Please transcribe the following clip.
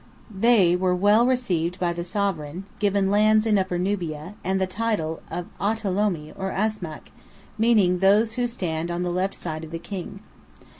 There they were well received by the sovereign, given lands in Upper Nubia, and the title of Autolomi, or Asmack, meaning "Those who stand on the left side of the King."